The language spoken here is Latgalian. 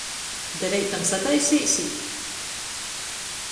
Da reitam sataiseisit?